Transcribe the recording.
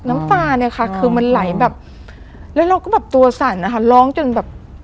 น้ำตาเนี่ยค่ะคือมันไหลแบบแล้วเราก็แบบตัวสั่นนะคะร้องจนแบบ